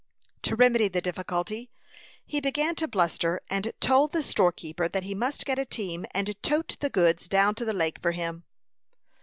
To remedy the difficulty he began to bluster, and told the storekeeper that he must get a team and tote the goods down to the lake for him.